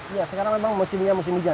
iya sekarang memang musimnya musim hujan